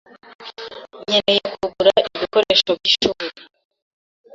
Nkeneye kugura ibikoresho by'ishuri.